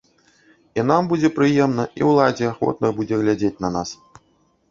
І нам будзе прыемна, і ўладзе ахвотна будзе глядзець на нас.